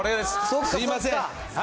すみません。